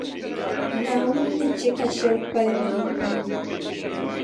Naawuni ni chɛ ka shεli kpalim yi nuu ni.